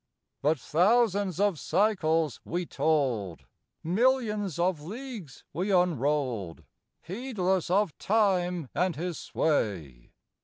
But thousands of cycles we told, Millions of leagues we unrolled, Heedless of Time and his sway.